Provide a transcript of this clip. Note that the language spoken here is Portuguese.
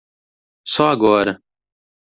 Só agora